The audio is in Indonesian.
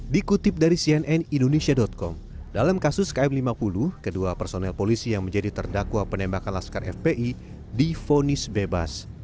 dikutip dari cnn indonesia com dalam kasus km lima puluh kedua personel polisi yang menjadi terdakwa penembakan laskar fpi difonis bebas